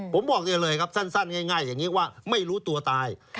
ผมบอกได้เลยครับสั้นง่ายอย่างนี้ว่าไม่รู้ตัวตาย